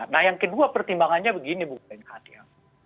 nah yang kedua pertimbangannya begini bu bengkhan ya